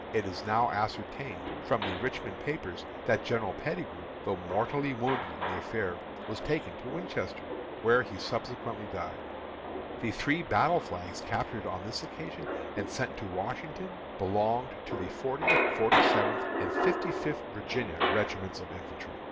It is now ascertained, from the Richmond papers, that General Pettigrew, though mortally wounded in the affair, was taken to Winchester, where he subsequently died. The three battle flags captured on this occasion, and sent to Washington, belonged to the Fortieth, Forty seventh, and Fifty fifth Virginia regiments of infantry.